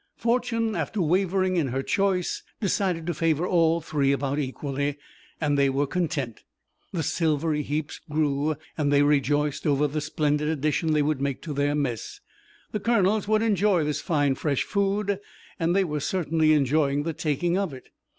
Fortune, after wavering in her choice, decided to favor all three about equally, and they were content. The silvery heaps grew and they rejoiced over the splendid addition they would make to their mess. The colonels would enjoy this fine fresh food, and they were certainly enjoying the taking of it.